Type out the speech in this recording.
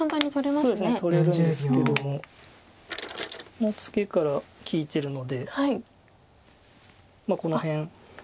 そうですね取れるんですけどもこのツケから利いてるのでこの辺。